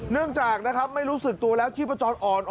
เนื่องจากนะครับไม่รู้สึกตัวแล้วชีพจรอ่อน